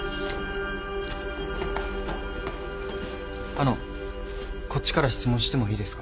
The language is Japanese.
あのこっちから質問してもいいですか？